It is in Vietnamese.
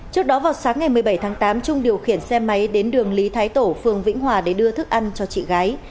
trước đó vào sáng ngày một mươi bảy tháng tám trung điều khiển xe máy đến đường lý thái tổ phường vĩnh hòa để đưa thức ăn cho chị gái